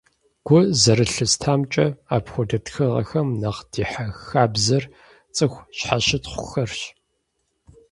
Гу зэрылъыстамкӀэ, апхуэдэ тхыгъэхэм нэхъ дихьэх хабзэр цӀыху щхьэщытхъухэрщ.